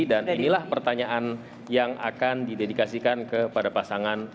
dan inilah pertanyaan yang akan didedikasikan kepada pasangan nomor dua